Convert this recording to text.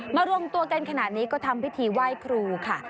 รวมตัวกันขนาดนี้ก็ทำพิธีไหว้ครูค่ะ